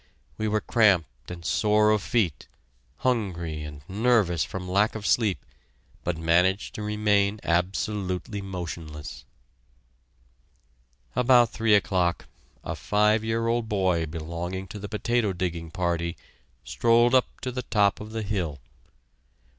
We were cramped and sore of feet, hungry, and nervous from lack of sleep, but managed to remain absolutely motionless. About three o'clock a five year old boy belonging to the potato digging party, strolled up to the top of the hill.